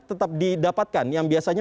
tetap didapatkan yang biasanya